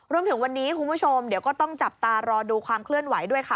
รวมถึงวันนี้คุณผู้ชมเดี๋ยวก็ต้องจับตารอดูความเคลื่อนไหวด้วยค่ะ